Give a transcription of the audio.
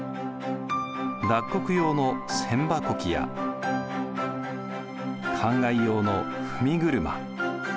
脱穀用の千歯扱やかんがい用の踏車。